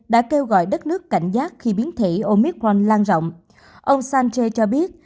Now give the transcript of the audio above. đã kêu gọi đất nước cảnh giác khi biến thể omicron lan rộng ông sánchez cho biết